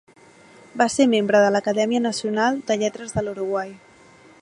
Va ser membre de l'Acadèmia Nacional de Lletres de l'Uruguai.